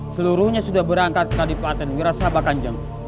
seluruhnya sudah berangkat ke tadi paten wirasabah kanjeng